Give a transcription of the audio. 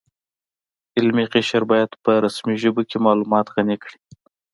علمي قشر باید په رسمي ژبو کې معلومات غني کړي